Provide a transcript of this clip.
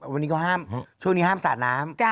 วันนี้ก็ห้ามช่วงนี้ห้ามสาดน้ำ